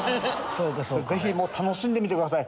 ぜひ楽しんでみてください。